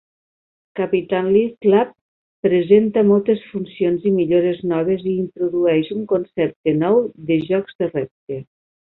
"Capitalism Lab" presenta moltes funcions i millores noves i introdueix un concepte nou dels jocs de repte.